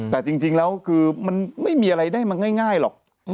แต่จริงแล้วคือมันไม่มีอะไรได้มาง่ายหรอก